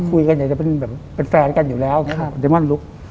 คุยกันเดี๋ยวเป็นแฟนกันอยู่แล้วไดมอนลุก